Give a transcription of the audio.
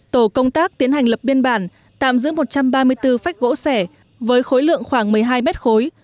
tổ công tác tiến hành lập biên bản tạm giữ một trăm ba mươi bốn phách gỗ sẻ với khối lượng khoảng một mươi hai mét khối